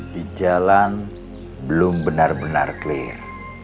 di jalan belum benar benar clear